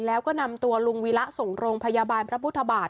แล้วก็นำตัวลุงวีระส่งโรงพยาบาลพระพุทธบาท